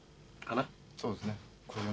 そうですね。